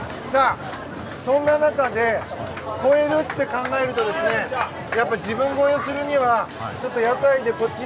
そんな中で超えるって考えると自分超えをするにはこちら、屋台で。